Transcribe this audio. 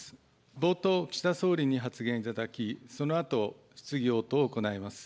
冒頭、岸田総理に発言いただき、そのあと、質疑応答を行います。